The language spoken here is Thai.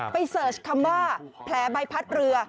เสิร์ชคำว่าแผลใบพัดเรือ